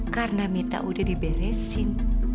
karena mita udah diberesin